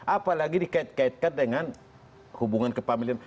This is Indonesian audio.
apalagi dikait kaitkan dengan hubungan kepamilian